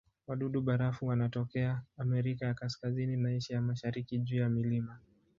Wadudu-barafu wanatokea Amerika ya Kaskazini na Asia ya Mashariki juu ya milima.